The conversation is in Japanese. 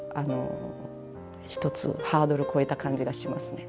一つハードルを越えた感じがしますね。